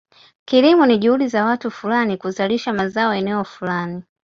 Kilimo ni juhudi za watu fulani kuzalisha mazao eneo fulani.